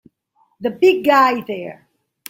The big guy there!